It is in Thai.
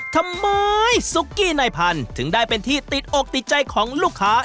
ทำไมซุกกี้นายพันธุ์ถึงได้เป็นที่ติดอกติดใจของลูกค้า